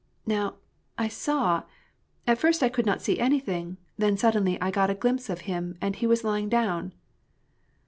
" "Now, I saw — At first I could not see anything, then suddenly I got a glimpse of him, and he was lying down."